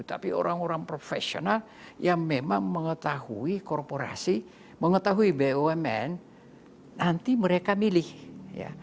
tapi orang orang profesional yang memang mengetahui korporasi mengetahui bumn nanti mereka milih ya